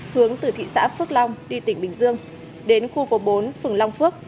hướng từ thị xã phước long đi tỉnh bình dương đến khu phố bốn phường long phước